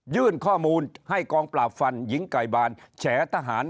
ข้อมูลให้กองปราบฟันหญิงไก่บานแฉทหาร